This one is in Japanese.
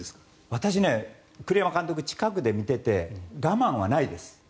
私、栗山監督を近くで見ていて我慢はないです。